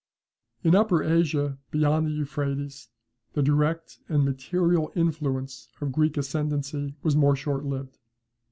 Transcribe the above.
In Upper Asia, beyond the Euphrates, the direct and material influence of Greek ascendancy was more short lived.